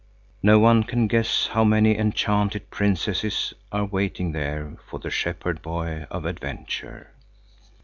No one can guess how many enchanted princesses are waiting there for the shepherd boy of adventure.